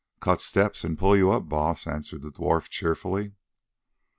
"Cut steps and pull you up, Baas," answered the dwarf cheerfully.